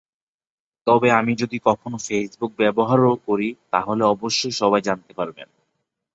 তবে আমি যদি কখনো ফেসবুক ব্যবহারও করি তাহলে অবশ্যই সবাই জানতে পারবেন।